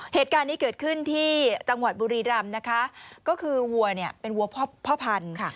เหตุการณ์นี้เกิดขึ้นที่จังหวัดบุรีรำนะคะก็คือวัวเนี่ยเป็นวัวพ่อพันธุ์ค่ะ